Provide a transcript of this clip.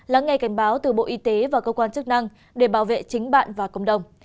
lắng nghe cảnh báo từ bộ y tế và cơ quan chức năng để bảo vệ chính bạn và cộng đồng